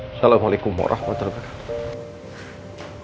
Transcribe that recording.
assalamualaikum warahmatullahi wabarakatuh